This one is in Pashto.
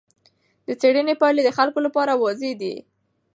د څېړنې پایلې د خلکو لپاره واضح دي.